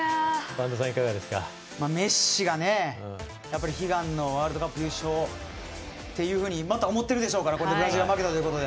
メッシがね悲願のワールドカップ優勝っていうふうに思ってるでしょうからこれでブラジルが負けたということで。